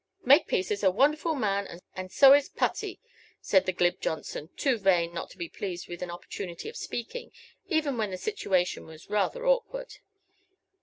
"Makepiece is a wonderful man, and so is Putty," said the glib Johnson, too vain not to be pleased with an opportunity of speaking, even when the situation was rather awkward.